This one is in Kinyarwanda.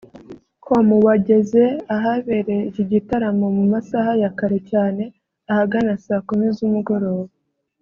com wageze ahabereye iki gitaramo mu masaha ya kare cyane ahagana saa kumi z’umugoroba